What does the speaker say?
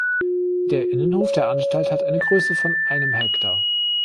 Der Innenhof der Anstalt hat eine Größe von einem Hektar.